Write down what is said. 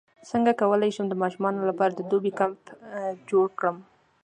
څنګه کولی شم د ماشومانو لپاره د دوبي کمپ جوړ کړم